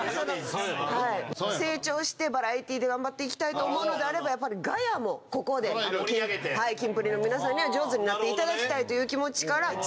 成長してバラエティーで頑張って行きたいと思うのであればガヤもここでキンプリの皆さんには上手になっていただきたいという気持ちから。